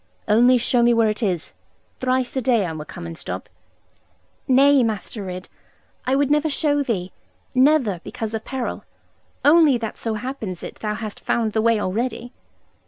'Only show me where it is. Thrice a day I will come and stop ' 'Nay, Master Ridd, I would never show thee never, because of peril only that so happens it thou hast found the way already.'